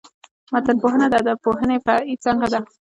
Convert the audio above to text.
متنپوهنه د ادبپوهني فرعي څانګه ده.